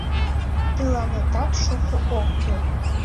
Тыланетат шуко ок кӱл.